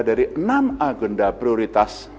dari enam agenda prioritas